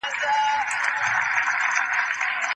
د ښار کوڅې به وي لښکر د ابوجهل نیولي